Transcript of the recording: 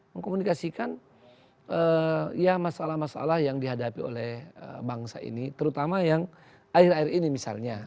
mengkomunikasikan ya masalah masalah yang dihadapi oleh bangsa ini terutama yang akhir akhir ini misalnya